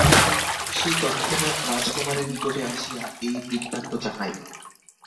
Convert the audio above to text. সে তৎক্ষণাৎ রাজকুমারের নিকটে আসিয়া এই বৃত্তান্ত জানাইল।